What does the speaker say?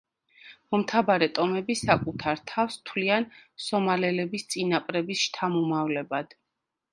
მომთაბარე ტომები საკუთარ თავს თვლიან სომალელების წინაპრების შთამომავლებად.